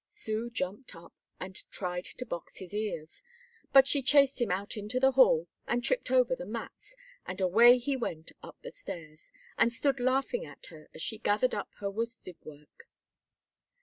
Sue jumped up and tried to box his ears; but she chased him out into the hall, and tripped over the mats, and away he went up the stairs, and stood laughing at her as she gathered up her worsted work.